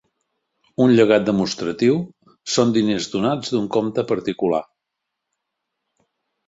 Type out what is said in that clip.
Un llegat demostratiu, són diners donats d'un compte particular.